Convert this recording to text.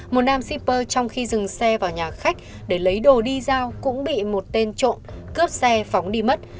một nam shipper trong khi dừng xe vào nhà khách để lấy đồ đi giao cũng bị một tên trộm cướp xe phóng đi mất